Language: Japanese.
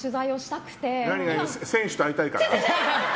選手と会いたいから？